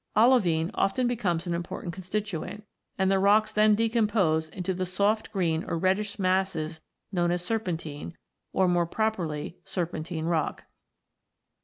Olivine often becomes an important constituent, and the rocks then decompose into the soft green or reddish masses known as serpentine or, more properly, serpentine rock.